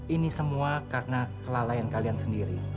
ini semua karena kelalaian kalian sendiri